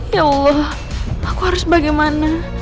ya allah aku harus bagaimana